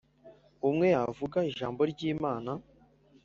Umwe yavuga ijambo ry imana